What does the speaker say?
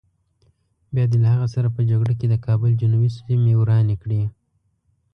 بیا دې له هغه سره په جګړه کې د کابل جنوبي سیمې ورانې کړې.